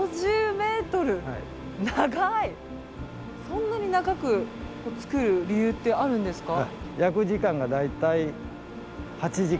そんなに長く作る理由ってあるんですか？